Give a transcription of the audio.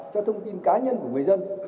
cho thông tin cá nhân của người dân